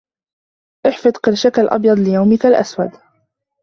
احفظ قرشك الأبيض ليومك الأسود